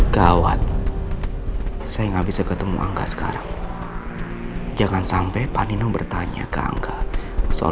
gawat saya nggak bisa ketemu angka sekarang jangan sampai panino bertanya ke angga soal